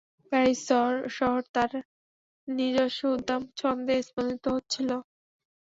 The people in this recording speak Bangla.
প্যারিস শহর তার নিজস্ব উদ্দাম ছন্দে স্পন্দিত হচ্ছিল।